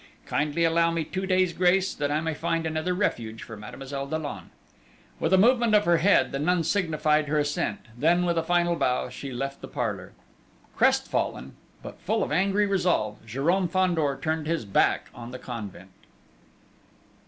Kindly allow me two days' grace, that I may find another refuge for Mademoiselle Dollon!" With a movement of her head the nun signified her assent; then, with a final bow, she left the parlour. Crestfallen, but full of angry resolve, Jérôme Fandor turned his back on the convent.